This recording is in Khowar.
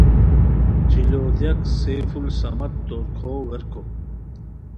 شیلوغ دیاک: سیف الصمد، تورکھو ورکوپ